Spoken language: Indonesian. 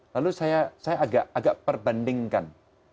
lalu saya agak perbandingkan